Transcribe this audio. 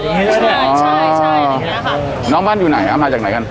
ใช่ใช่ใช่อย่างเงี้ยค่ะน้องบ้านอยู่ไหนมาจากไหนกัน